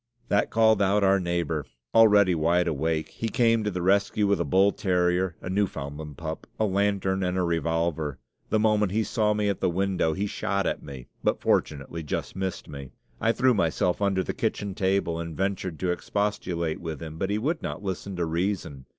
That called out our neighbor, already wide awake; he came to the rescue with a bull terrier, a Newfoundland pup, a lantern, and a revolver. The moment he saw me at the window he shot at me, but fortunately just missed me. I threw myself under the kitchen table and ventured to expostulate with him, but he would not listen to reason.